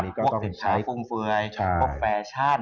พวกสินค้าฟุ่มเฟือยพวกแฟชั่น